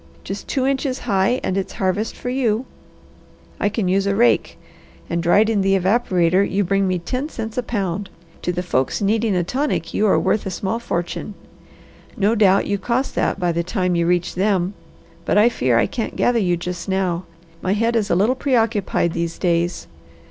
Just two inches high and it's harvest for you. I can use a rake, and dried in the evaporator you bring me ten cents a pound; to the folks needing a tonic you are worth a small fortune. No doubt you cost that by the time you reach them; but I fear I can't gather you just now. My head is a little preoccupied these days.